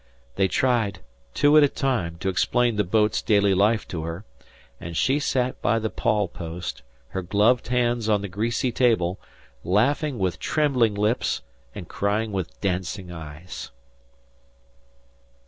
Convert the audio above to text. They tried, two at a time, to explain the boat's daily life to her, and she sat by the pawl post, her gloved hands on the greasy table, laughing with trembling lips and crying with dancing eyes.